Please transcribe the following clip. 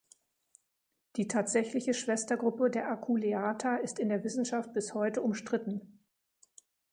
Die tatsächliche Schwestergruppe der Aculeata ist in der Wissenschaft bis heute umstritten.